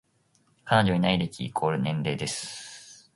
彼女いない歴イコール年齢です